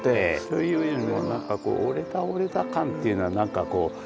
ええ。というよりも何かこう俺だ俺だ感っていうのは何かこう。